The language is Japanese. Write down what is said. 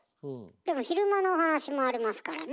でも昼間の話もありますからね。